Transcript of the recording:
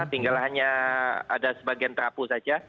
tinggal hanya ada sebagian terapu saja